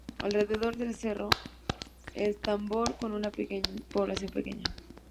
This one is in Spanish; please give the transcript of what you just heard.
Alrededor de Cerro El Tambor con una población pequeña.